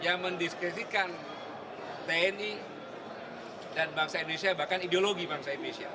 yang mendiskresikan tni dan bangsa indonesia bahkan ideologi bangsa indonesia